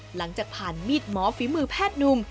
หลังจากผ่านมีดหมอฝีมือแพทย์นุ่ม